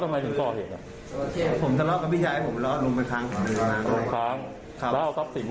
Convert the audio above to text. ใช้อะไรทุบอ่ะคุ้มคุ้มสติไม่ได้ไหมพี่